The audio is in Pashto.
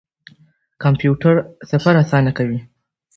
کمپيوټر سفر آسانه کوي.